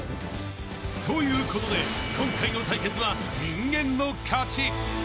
［ということで今回の対決は人間の勝ち］